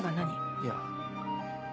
いや。